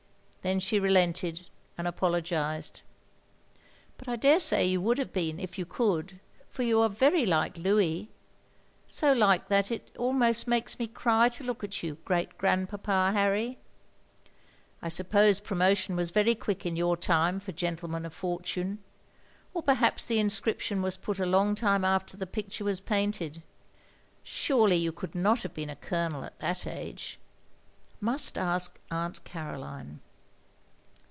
Then she relented and apologised. "But I daresay you would have been if you could, for you are very like Louis. So like that it almost makes me cry to look at you, great grandpapa Harry. I suppose promotion was very quick in your time for gentlemen of forttme, or perhaps the inscription was put a long time after the picture was painted. Surely you could not have been a Colonel at that age. I must ask Aunt Caroline.